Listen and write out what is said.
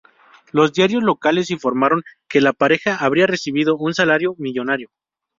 Los diarios locales informaron que la pareja habría recibido un salario millonario.